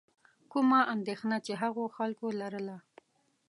کومه اندېښنه چې هغو خلکو لرله.